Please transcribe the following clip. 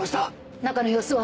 中の様子は？